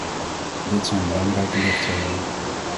Dit zijn belangrijke lichtzijden.